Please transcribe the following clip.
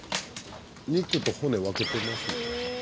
肉と骨分けてますね。